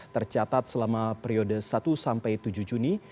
tercatat selama periode satu sampai tujuh juni